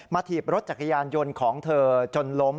ถีบรถจักรยานยนต์ของเธอจนล้ม